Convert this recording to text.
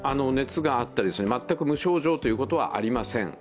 熱があったり、全く無症状ということはありません。